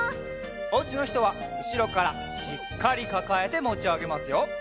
おうちのひとはうしろからしっかりかかえてもちあげますよ。